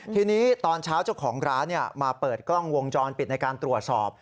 ทีนี้ตอนเช้าเจ้าของร้านมาเปิดกล้องวงจรปิดในการตรวจสอบ